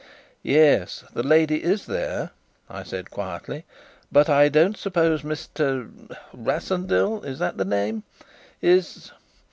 "Yes, the lady is there," I said quietly. "But I don't suppose Mr. Rassendyll is that the name? is."